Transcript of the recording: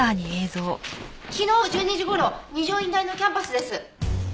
昨日１２時頃二条院大のキャンパスです。